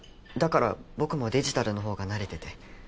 だから僕もデジタルのほうが慣れてて。